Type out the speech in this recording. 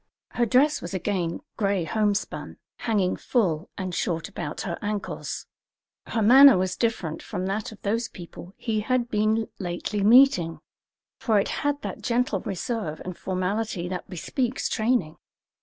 Her dress was again gray homespun, hanging full and short about her ankles. Her manner was different from that of those people he had been lately meeting, for it had that gentle reserve and formality that bespeaks training.